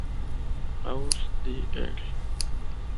Aus d. Engl.